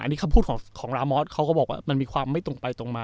อันนี้คำพูดของรามอสเขาก็บอกว่ามันมีความไม่ตรงไปตรงมา